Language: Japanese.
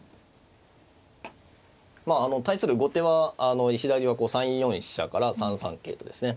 対する後手は石田流はこう３四飛車から３三桂とですね